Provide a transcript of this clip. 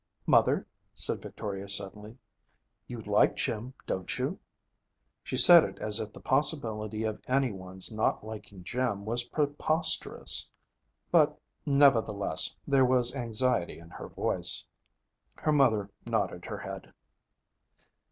'Mother,' said Victoria, suddenly, 'you like Jim, don't you?' She said it as if the possibility of any one's not liking Jim was preposterous. But, nevertheless, there was anxiety in her voice. Her mother nodded her head.